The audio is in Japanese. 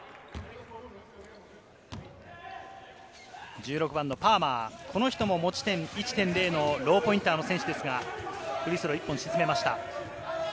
１６番のパーマー、この人も持ち点１．０のローポインターの選手ですが、フリースロー、１本沈めました。